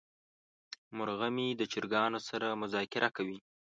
مرغه مې د چرګانو سره مذاکره کوي.